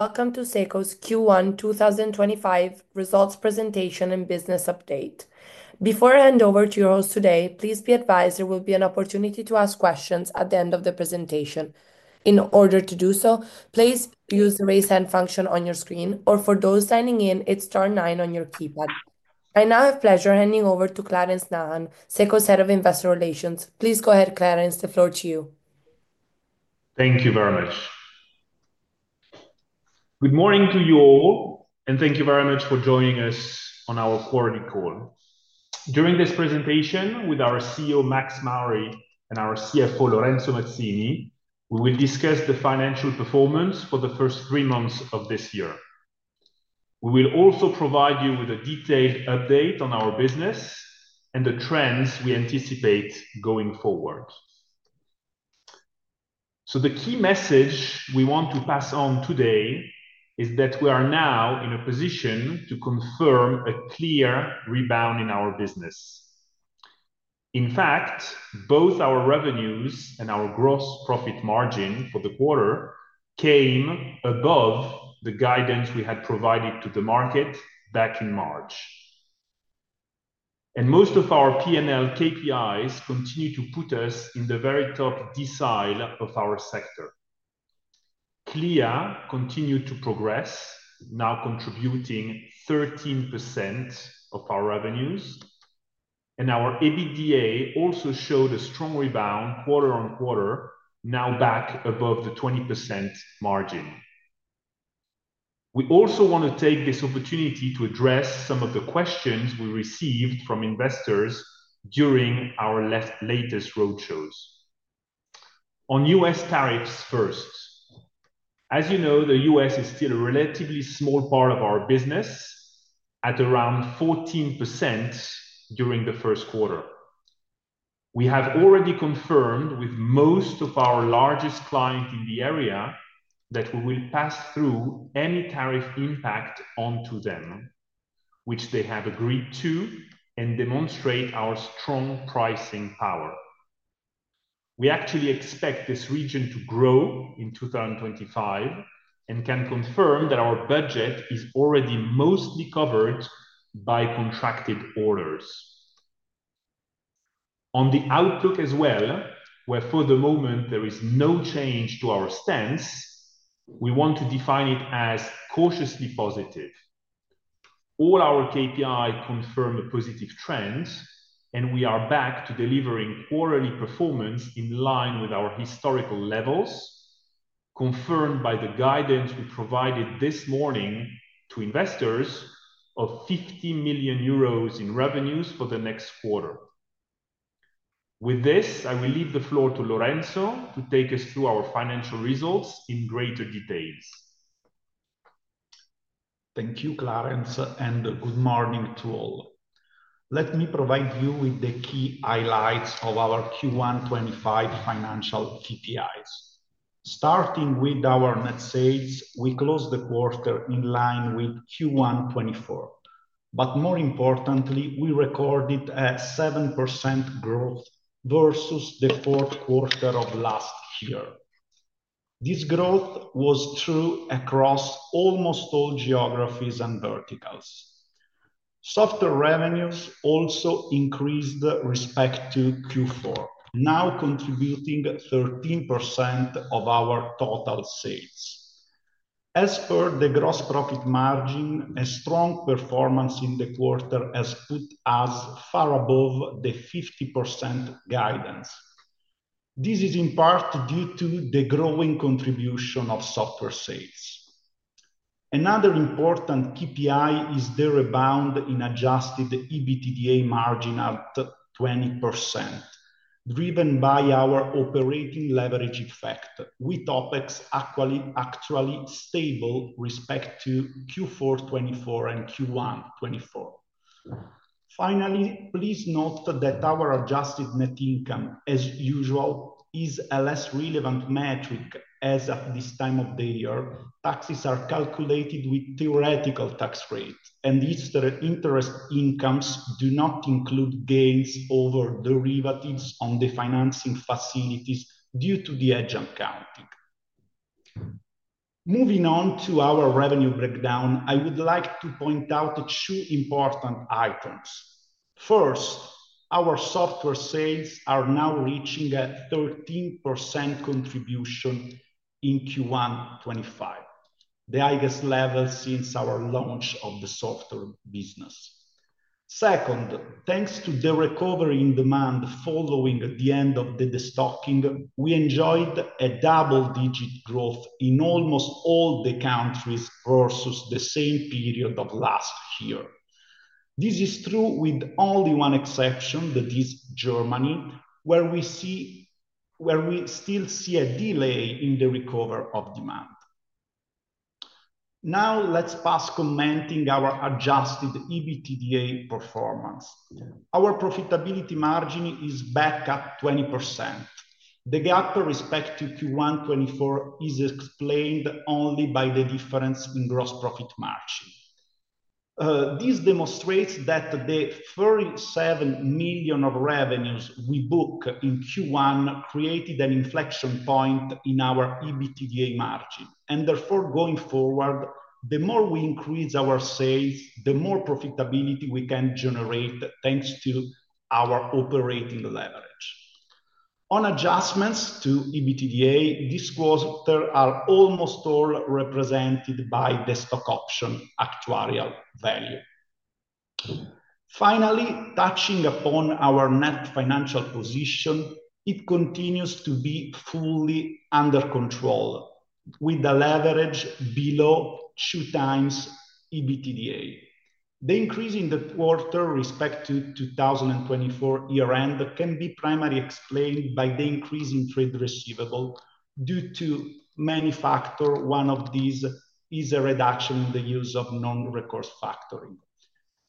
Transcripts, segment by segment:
Welcome to SECO's Q1 2025 results presentation and business update. Before I hand over to your host today, please be advised there will be an opportunity to ask questions at the end of the presentation. In order to do so, please use the raise hand function on your screen, or for those signing in, it's star nine on your keypad. I now have pleasure handing over to Clarence Nahan, SECO's Head of Investor Relations. Please go ahead, Clarence, the floor to you. Thank you very much. Good morning to you all, and thank you very much for joining us on our quarterly call. During this presentation with our CEO, Max Mauri, and our CFO, Lorenzo Mazzini, we will discuss the financial performance for the first three months of this year. We will also provide you with a detailed update on our business and the trends we anticipate going forward. The key message we want to pass on today is that we are now in a position to confirm a clear rebound in our business. In fact, both our revenues and our gross profit margin for the quarter came above the guidance we had provided to the market back in March. Most of our P&L KPIs continue to put us in the very top decile of our sector. Clea continued to progress, now contributing 13% of our revenues. Our EBITDA also showed a strong rebound quarter on quarter, now back above the 20% margin. We also want to take this opportunity to address some of the questions we received from investors during our latest roadshows. On U.S. tariffs first. As you know, the U.S. is still a relatively small part of our business at around 14% during the first quarter. We have already confirmed with most of our largest clients in the area that we will pass through any tariff impact onto them, which they have agreed to and demonstrate our strong pricing power. We actually expect this region to grow in 2025 and can confirm that our budget is already mostly covered by contracted orders. On the outlook as well, where for the moment there is no change to our stance, we want to define it as cautiously positive. All our KPIs confirm a positive trend, and we are back to delivering quarterly performance in line with our historical levels, confirmed by the guidance we provided this morning to investors of 50 million euros in revenues for the next quarter. With this, I will leave the floor to Lorenzo to take us through our financial results in greater details. Thank you, Clarence, and good morning to all. Let me provide you with the key highlights of our Q1 2025 financial KPIs. Starting with our net sales, we closed the quarter in line with Q1 2024. More importantly, we recorded a 7% growth versus the fourth quarter of last year. This growth was true across almost all geographies and verticals. Software revenues also increased respect to Q4, now contributing 13% of our total sales. As per the gross profit margin, a strong performance in the quarter has put us far above the 50% guidance. This is in part due to the growing contribution of software sales. Another important KPI is the rebound in adjusted EBITDA margin at 20%, driven by our operating leverage effect, with OpEx actually stable respect to Q4 2024 and Q1 2024. Finally, please note that our adjusted net income, as usual, is a less relevant metric as at this time of the year. Taxes are calculated with theoretical tax rates, and interest incomes do not include gains over derivatives on the financing facilities due to the edge accounting. Moving on to our revenue breakdown, I would like to point out two important items. First, our software sales are now reaching a 13% contribution in Q1 2025, the highest level since our launch of the software business. Second, thanks to the recovery in demand following the end of the destocking, we enjoyed a double-digit growth in almost all the countries versus the same period of last year. This is true with only one exception, that is Germany, where we still see a delay in the recovery of demand. Now let's pass commenting our adjusted EBITDA performance. Our profitability margin is back at 20%. The gap with respect to Q1 2024 is explained only by the difference in gross profit margin. This demonstrates that the 47 million of revenues we booked in Q1 created an inflection point in our EBITDA margin. Therefore, going forward, the more we increase our sales, the more profitability we can generate thanks to our operating leverage. On adjustments to EBITDA, these quarters are almost all represented by the stock option actuarial value. Finally, touching upon our net financial position, it continues to be fully under control, with the leverage below 2x EBITDA. The increase in the quarter with respect to 2024 year-end can be primarily explained by the increase in trade receivable due to many factors. One of these is a reduction in the use of non-recourse factoring.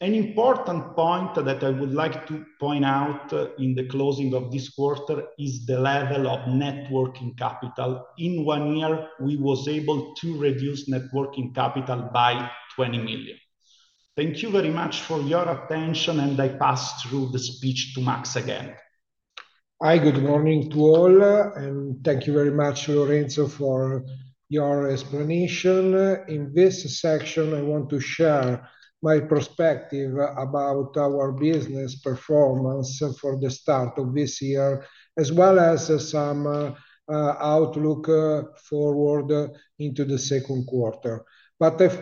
An important point that I would like to point out in the closing of this quarter is the level of net working capital. In one year, we were able to reduce net working capital by 20 million. Thank you very much for your attention, and I pass through the speech to Max again. Hi, good morning to all, and thank you very much, Lorenzo, for your explanation. In this section, I want to share my perspective about our business performance for the start of this year, as well as some outlook forward into the second quarter.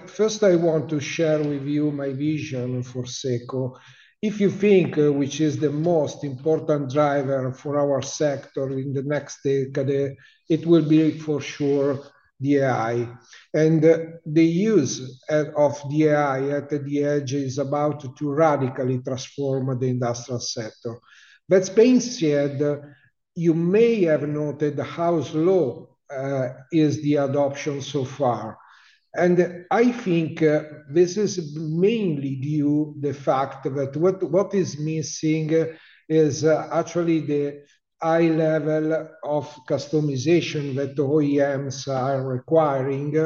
First, I want to share with you my vision for SECO. If you think which is the most important driver for our sector in the next decade, it will be for sure the AI. The use of the AI at the Edge is about to radically transform the industrial sector. That being said, you may have noted how slow is the adoption so far. I think this is mainly due to the fact that what is missing is actually the high level of customization that OEMs are requiring,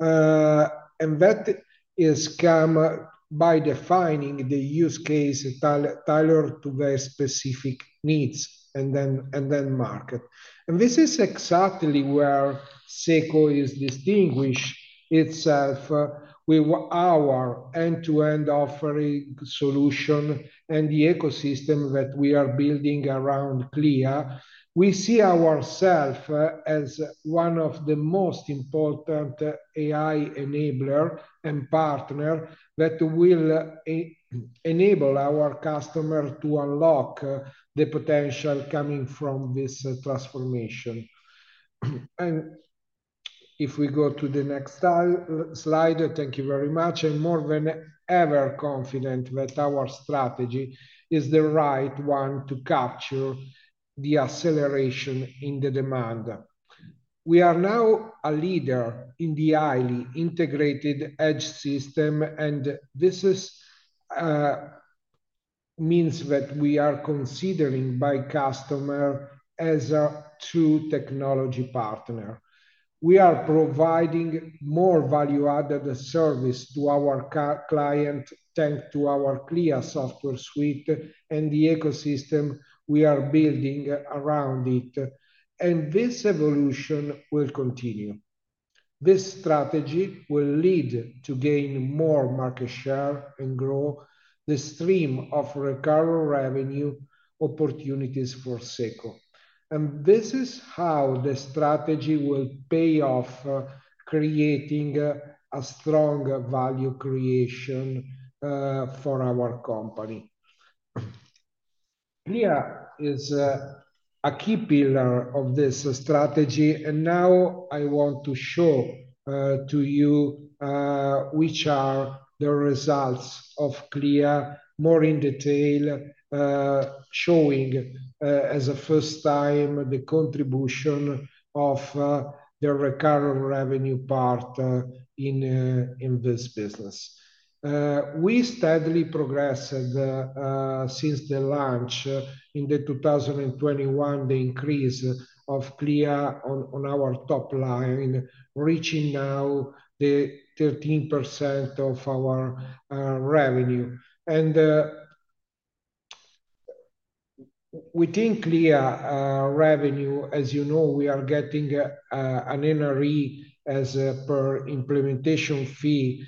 and that has come by defining the use case tailored to their specific needs and then market. This is exactly where SECO is distinguishing itself with our end-to-end offering solution and the ecosystem that we are building around Clea. We see ourselves as one of the most important AI enablers and partners that will enable our customers to unlock the potential coming from this transformation. If we go to the next slide, thank you very much. I'm more than ever confident that our strategy is the right one to capture the acceleration in the demand. We are now a leader in the highly integrated Edge System, and this means that we are considered by customers as a true technology partner. We are providing more value-added service to our clients thanks to our Clea software suite and the ecosystem we are building around it. This evolution will continue. This strategy will lead to gaining more market share and grow the stream of recurring revenue opportunities for SECO. This is how the strategy will pay off, creating a strong value creation for our company. Clea is a key pillar of this strategy. Now I want to show to you which are the results of Clea more in detail, showing as a first time the contribution of the recurring revenue part in this business. We steadily progressed since the launch in 2021, the increase of Clea on our top line, reaching now the 13% of our revenue. Within Clea revenue, as you know, we are getting an NRE as per implementation fee,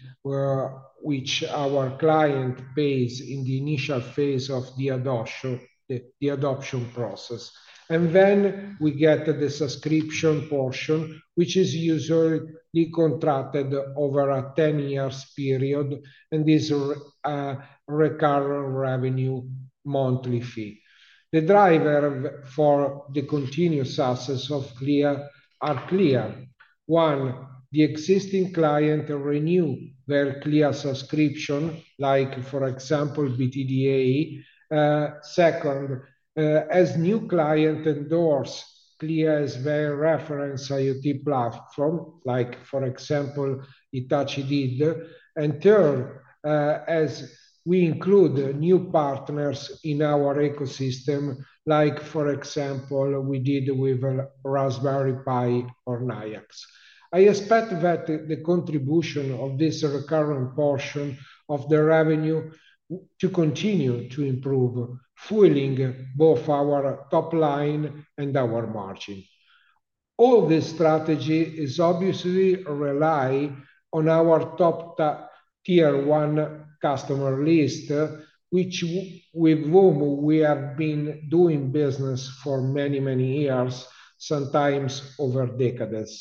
which our client pays in the initial phase of the adoption process. Then we get the subscription portion, which is usually contracted over a 10-year period, and this recurring revenue monthly fee. The driver for the continuous success of Clea are clear. One, the existing client renews their Clea subscription, like for example, BTDA. Second, as new clients endorse Clea as their reference IoT platform, like for example, Hitachi did. Third, as we include new partners in our ecosystem, like for example, we did with Raspberry Pi or Nayax. I expect that the contribution of this recurring portion of the revenue to continue to improve, fueling both our top line and our margin. All this strategy is obviously reliant on our top tier one customer list, with whom we have been doing business for many, many years, sometimes over decades.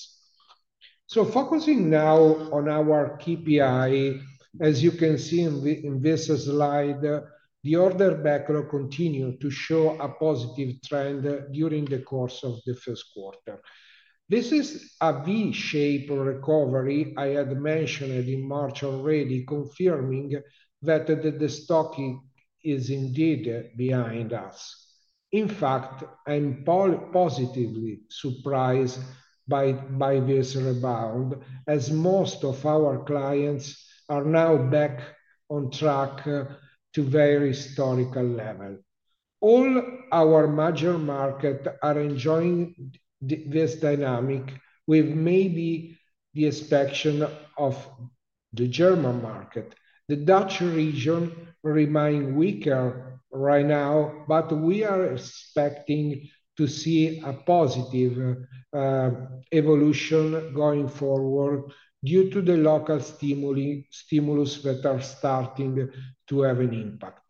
Focusing now on our KPI, as you can see in this slide, the order backlog continued to show a positive trend during the course of the first quarter. This is a V-shaped recovery I had mentioned in March already, confirming that the destocking is indeed behind us. In fact, I'm positively surprised by this rebound, as most of our clients are now back on track to their historical level. All our major markets are enjoying this dynamic with maybe the exception of the German market. The Dutch region remains weaker right now, but we are expecting to see a positive evolution going forward due to the local stimuli that are starting to have an impact.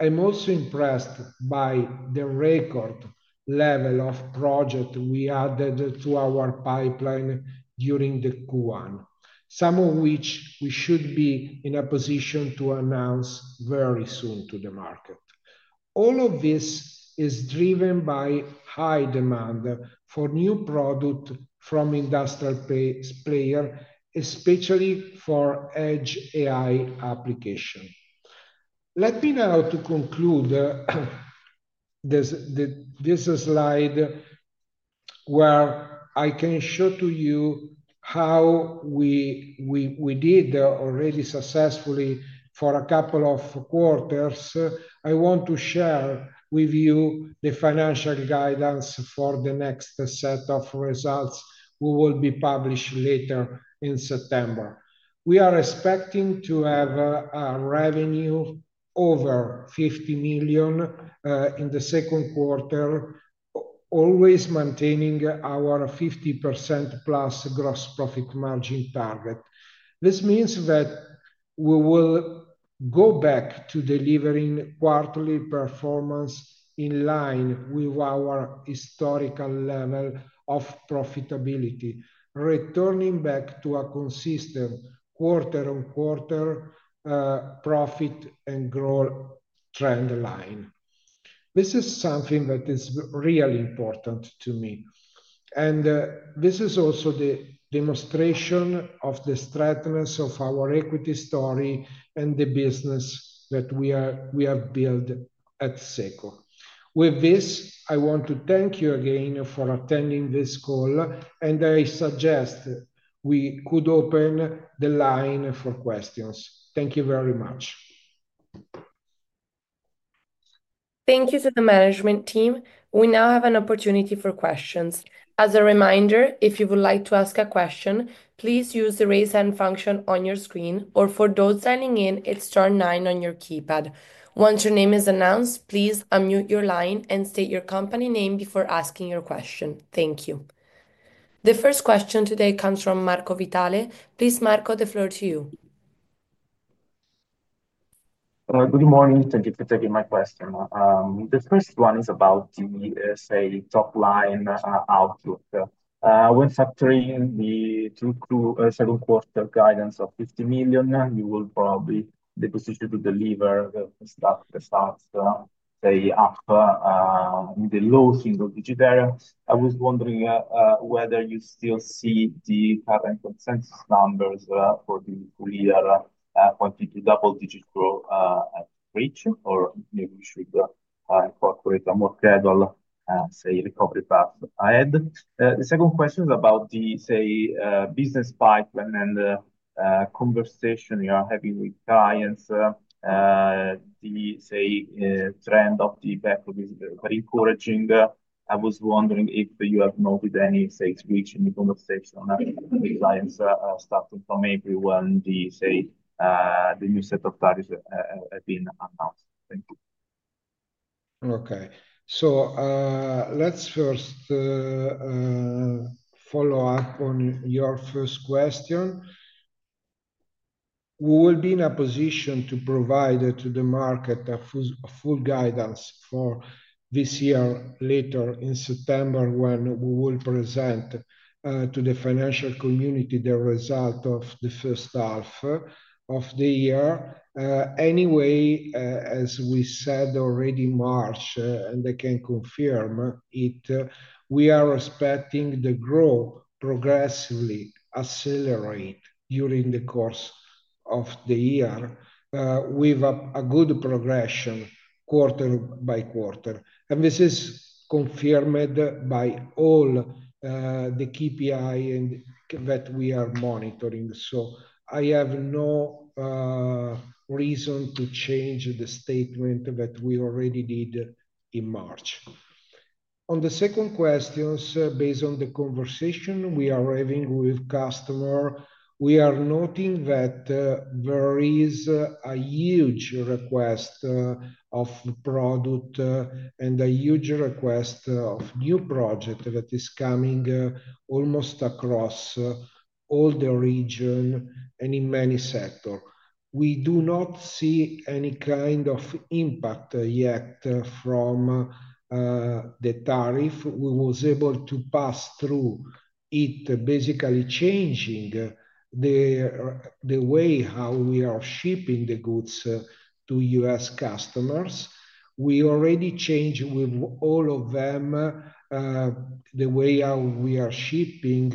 I'm also impressed by the record level of projects we added to our pipeline during Q1, some of which we should be in a position to announce very soon to the market. All of this is driven by high demand for new products from industrial players, especially for Edge AI applications. Let me now conclude this slide where I can show to you how we did already successfully for a couple of quarters. I want to share with you the financial guidance for the next set of results that will be published later in September. We are expecting to have revenue over 50 million in the second quarter, always maintaining our 50%+ gross profit margin target. This means that we will go back to delivering quarterly performance in line with our historical level of profitability, returning back to a consistent quarter-on-quarter profit and growth trend line. This is something that is really important to me. This is also the demonstration of the strength of our equity story and the business that we have built at SECO. With this, I want to thank you again for attending this call, and I suggest we could open the line for questions. Thank you very much. Thank you to the management team. We now have an opportunity for questions. As a reminder, if you would like to ask a question, please use the raise hand function on your screen, or for those signing in, it's star nine on your keypad. Once your name is announced, please unmute your line and state your company name before asking your question. Thank you. The first question today comes from Marco Vitale. Please, Marco, the floor to you. Good morning. Thank you for taking my question. The first one is about the, say, top line outlook. When factoring the two-quarter guidance of 50 million, you will probably be positioned to deliver the stocks that start, say, up in the low single-digit area. I was wondering whether you still see the current consensus numbers for the full-year quantity double-digit growth reach, or maybe we should incorporate a more cradle, say, recovery path ahead. The second question is about the, say, business pipeline and conversation you are having with clients. The, say, trend of the backlog is very encouraging. I was wondering if you have noted any, say, switch in the conversation with clients starting from April when the, say, the new set of tariffs had been announced. Thank you. Okay. Let's first follow up on your first question. We will be in a position to provide to the market a full guidance for this year later in September when we will present to the financial community the result of the first half of the year. Anyway, as we said already in March, and I can confirm it, we are expecting the growth to progressively accelerate during the course of the year with a good progression quarter-by-quarter. This is confirmed by all the KPIs that we are monitoring. I have no reason to change the statement that we already did in March. On the second question, based on the conversation we are having with customers, we are noting that there is a huge request of product and a huge request of new projects that is coming almost across all the region and in many sectors. We do not see any kind of impact yet from the tariff. We were able to pass through it, basically changing the way how we are shipping the goods to U.S. customers. We already changed with all of them the way how we are shipping.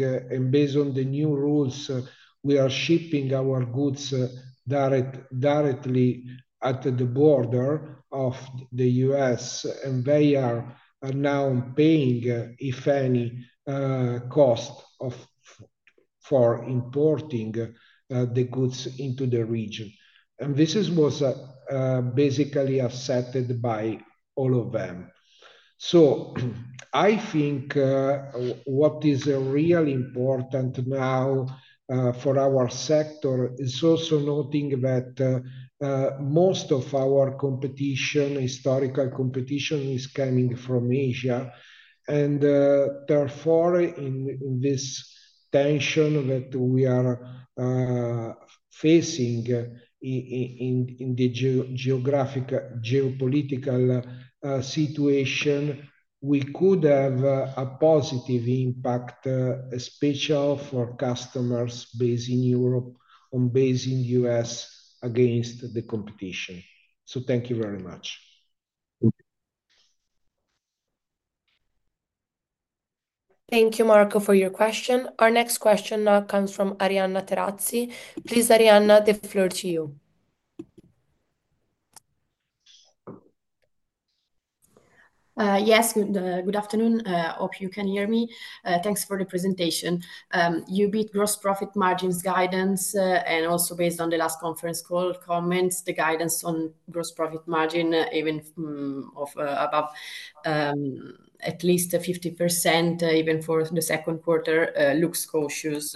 Based on the new rules, we are shipping our goods directly at the border of the U.S., and they are now paying, if any, cost for importing the goods into the region. This was basically accepted by all of them. I think what is really important now for our sector is also noting that most of our competition, historical competition, is coming from Asia. Therefore, in this tension that we are facing in the geopolitical situation, we could have a positive impact, especially for customers based in Europe and based in the U.S. against the competition. Thank you very much. Thank you, Marco, for your question. Our next question now comes from Arianna Terrazzi. Please, Arianna, the floor to you. Yes. Good afternoon. I hope you can hear me. Thanks for the presentation. You beat gross profit margins guidance, and also based on the last conference call comments, the guidance on gross profit margin, even above at least 50%, even for the second quarter, looks cautious.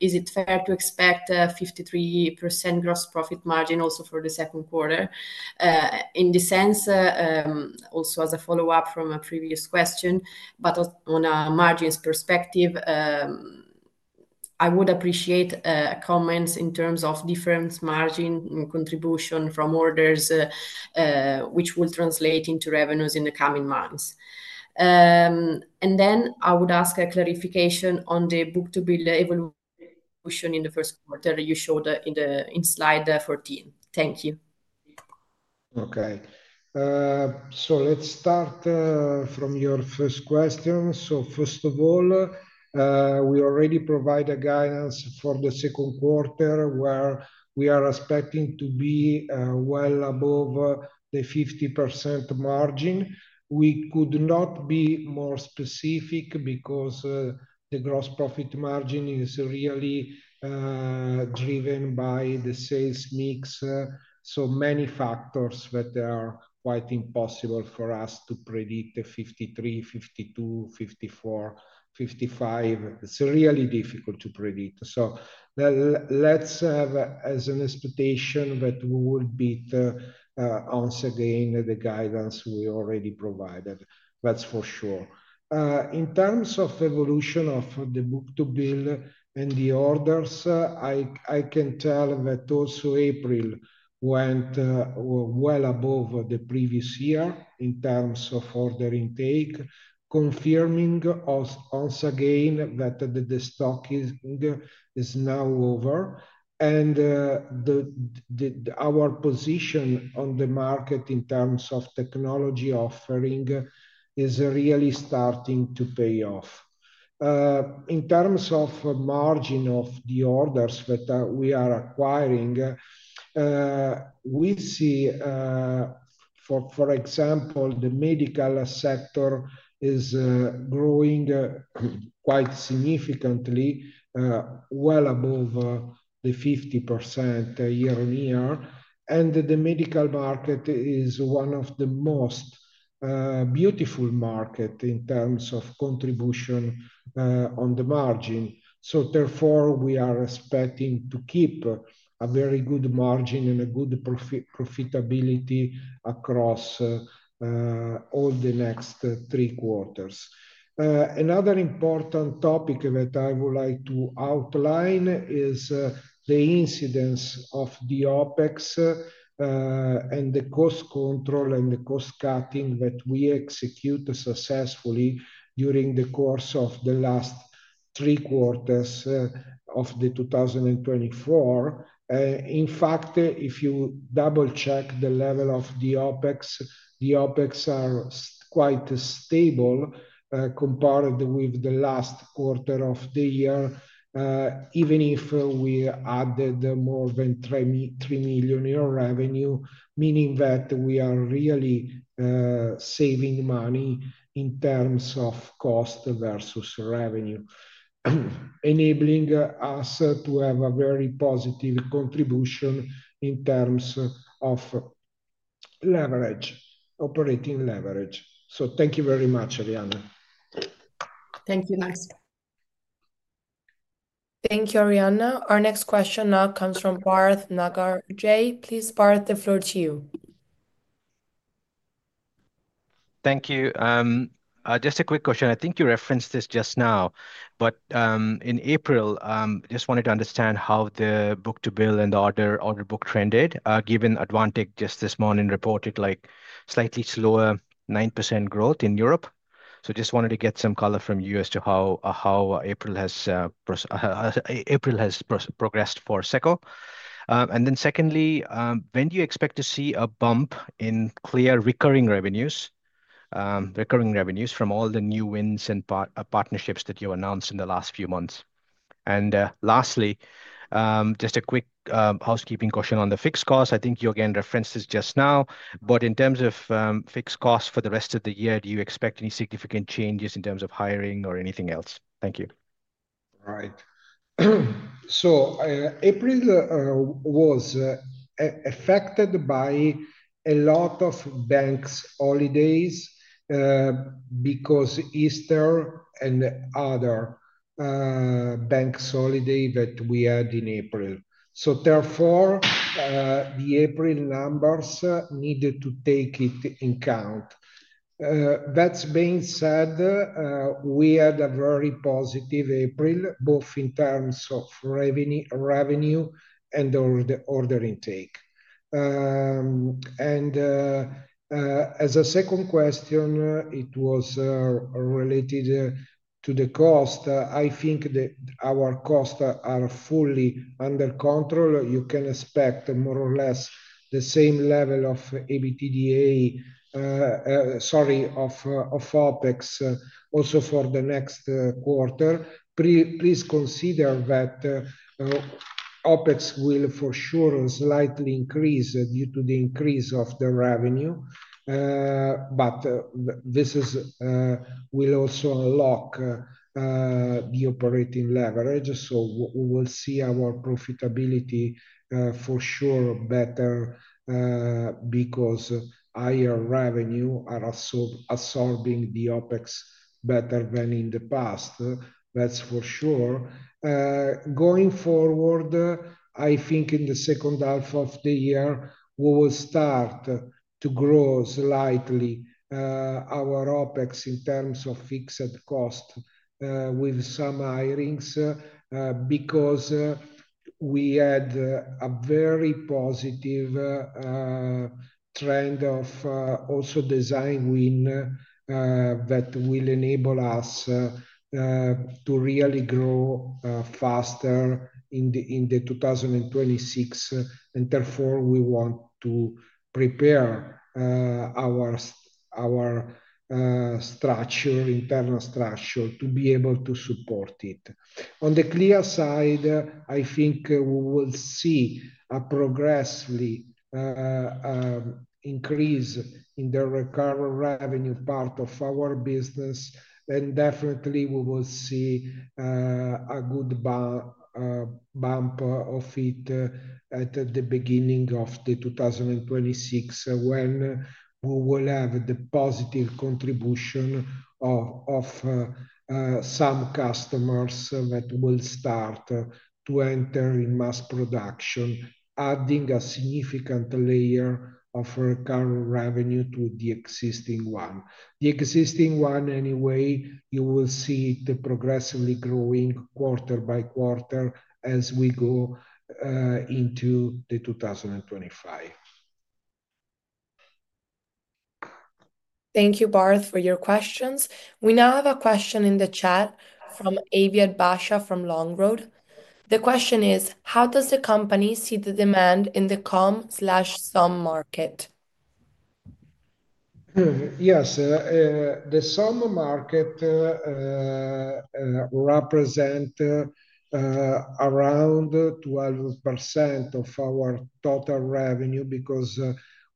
Is it fair to expect a 53% gross profit margin also for the second quarter? In the sense, also as a follow-up from a previous question, but on a margins perspective, I would appreciate comments in terms of difference margin contribution from orders, which will translate into revenues in the coming months. I would ask a clarification on the book-to-bill evolution in the first quarter you showed in slide 14. Thank you. Okay. Let's start from your first question. First of all, we already provide a guidance for the second quarter where we are expecting to be well above the 50% margin. We could not be more specific because the gross profit margin is really driven by the sales mix. So many factors that are quite impossible for us to predict: 53, 52, 54, 55. It's really difficult to predict. Let's have as an expectation that we will beat once again the guidance we already provided. That's for sure. In terms of evolution of the book-to-bill and the orders, I can tell that also April went well above the previous year in terms of order intake, confirming once again that the stocking is now over. Our position on the market in terms of technology offering is really starting to pay off. In terms of margin of the orders that we are acquiring, we see, for example, the medical sector is growing quite significantly, well above the 50% year-on-year. The medical market is one of the most beautiful markets in terms of contribution on the margin. Therefore, we are expecting to keep a very good margin and a good profitability across all the next three quarters. Another important topic that I would like to outline is the incidence of the OpEx and the cost control and the cost cutting that we executed successfully during the course of the last three quarters of 2024. In fact, if you double-check the level of the OpEx, the OpEx are quite stable compared with the last quarter of the year, even if we added more than 3 million euro in revenue, meaning that we are really saving money in terms of cost versus revenue, enabling us to have a very positive contribution in terms of operating leverage. Thank you very much, Arianna. Thank you, Max. Thank you, Arianna. Our next question now comes from Bharath Nagaraj. Please, Bharath, the floor to you. Thank you. Just a quick question. I think you referenced this just now, but in April, I just wanted to understand how the book-to-bill and the order book trended, given Advantech just this morning reported slightly slower 9% growth in Europe. Just wanted to get some color from you as to how April has progressed for SECO. Secondly, when do you expect to see a bump in clear recurring revenues from all the new wins and partnerships that you announced in the last few months? Lastly, just a quick housekeeping question on the fixed costs. I think you again referenced this just now, but in terms of fixed costs for the rest of the year, do you expect any significant changes in terms of hiring or anything else? Thank you. Right. April was affected by a lot of banks' holidays because Easter and other banks' holidays that we had in April. Therefore, the April numbers needed to take it into account. That being said, we had a very positive April, both in terms of revenue and order intake. As a second question, it was related to the cost. I think that our costs are fully under control. You can expect more or less the same level of OpEx also for the next quarter. Please consider that OpEx will for sure slightly increase due to the increase of the revenue, but this will also unlock the operating leverage. We will see our profitability for sure better because higher revenues are absorbing the OpEx better than in the past. That's for sure. Going forward, I think in the second half of the year, we will start to grow slightly our OpEx in terms of fixed costs with some hirings because we had a very positive trend of also design win that will enable us to really grow faster in 2026. Therefore, we want to prepare our internal structure to be able to support it. On the Clea side, I think we will see a progressively increase in the recurring revenue part of our business. Definitely, we will see a good bump of it at the beginning of 2026 when we will have the positive contribution of some customers that will start to enter in mass production, adding a significant layer of recurring revenue to the existing one. The existing one, anyway, you will see it progressively growing quarter-by-quarter as we go into 2025. Thank you, Bharath, for your questions. We now have a question in the chat from Aviad Basha from Long Road. The question is, how does the company see the demand in the COM/SOM market? Yes. The SOM market represents around 12% of our total revenue because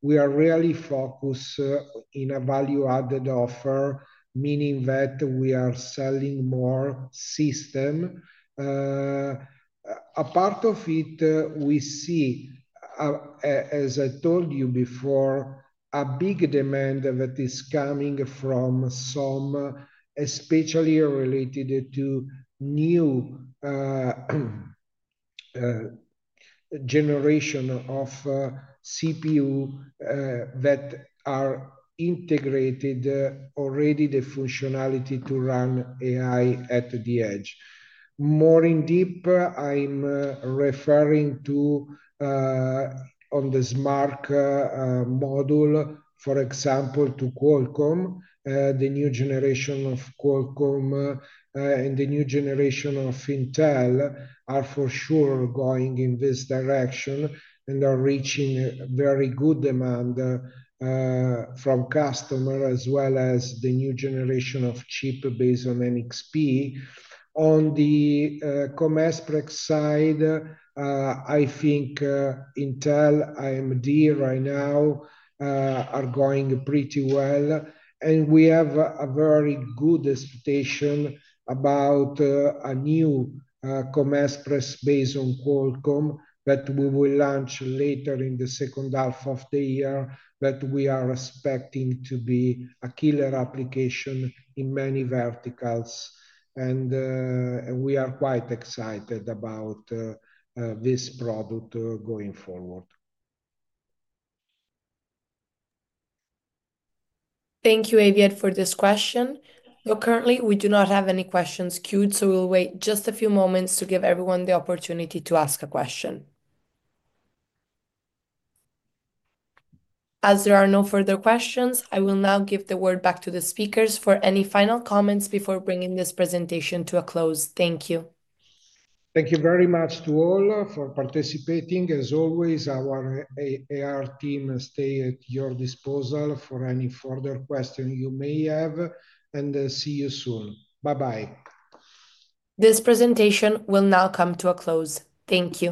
we are really focused on a value-added offer, meaning that we are selling more systems. A part of it, we see, as I told you before, a big demand that is coming from SOM, especially related to new generation of CPUs that are integrated already with the functionality to run AI at the Edge. More in deep, I'm referring to on the SMARC module, for example, to Qualcomm. The new generation of Qualcomm and the new generation of Intel are for sure going in this direction and are reaching very good demand from customers as well as the new generation of chips based on NXP. On the compressed press side, I think Intel, AMD right now are going pretty well. We have a very good expectation about a new COM Express based on Qualcomm that we will launch later in the second half of the year. We are expecting it to be a killer application in many verticals. We are quite excited about this product going forward. Thank you, Aviad, for this question. So currently, we do not have any questions queued, so we'll wait just a few moments to give everyone the opportunity to ask a question. As there are no further questions, I will now give the word back to the speakers for any final comments before bringing this presentation to a close. Thank you. Thank you very much to all for participating. As always, our IR team stays at your disposal for any further questions you may have. See you soon. Bye-bye. This presentation will now come to a close. Thank you.